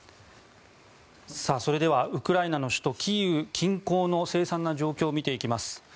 それではウクライナの首都キーウ近郊のせい惨な状況を見ていきます。